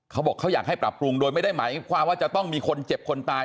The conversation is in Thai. เขาบอกเขาอยากให้ปรับปรุงโดยไม่ได้หมายความว่าจะต้องมีคนเจ็บคนตาย